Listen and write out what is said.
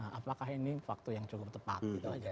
nah apakah ini waktu yang cukup tepat